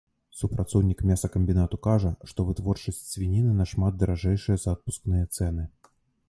Супрацоўнік мясакамбінату кажа, што вытворчасць свініны нашмат даражэйшая за адпускныя цэны.